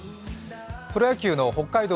プロ野球の北海道・